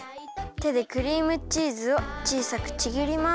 てでクリームチーズをちいさくちぎります。